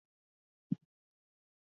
আমি ওকে মেরে ফেলতে চেয়েছিলাম।